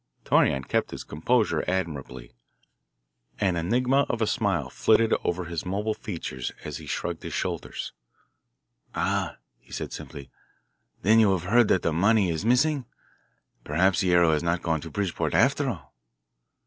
Torreon kept his composure admirably. An enigma of a smile flitted over his mobile features as he shrugged his shoulders. "Ah," he said simply, "then you have heard that the money is missing? Perhaps Guerrero has not gone to Bridgeport, after all!"